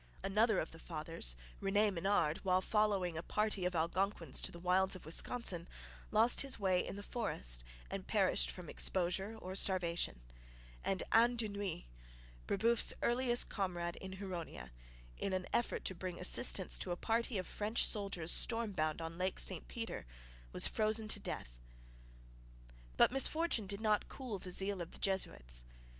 Another of the fathers, Rene Menard, while following a party of Algonquins to the wilds of Wisconsin, lost his way in the forest and perished from exposure or starvation; and Anne de Noue, Brebeuf's earliest comrade in Huronia, in an effort to bring assistance to a party of French soldiers storm bound on Lake St Peter, was frozen to death. But misfortune did not cool the zeal of the Jesuits.